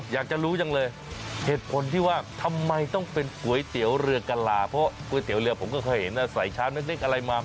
อยากจะรู้จังเลยเหตุผลที่ว่าทำไมต้องเป็นก๋วยเตี๋ยวเรือกะลาเพราะก๋วยเตี๋ยวเรือผมก็เคยเห็นใส่ชามเล็กอะไรมา